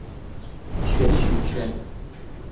选举权。